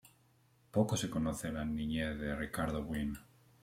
Poco se conoce de la niñez de Ricardo Gwyn.